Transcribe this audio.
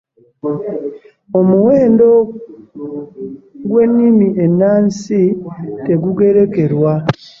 Omuwendo gw'ennmi ennansi tegugerekerwa